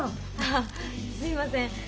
あすいません。